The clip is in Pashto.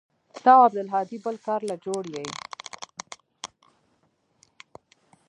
ته او عبدالهادي بل كار له جوړ يې.